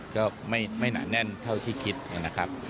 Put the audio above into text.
ก็ไม่หนาแน่นเท่าที่คิดนะครับ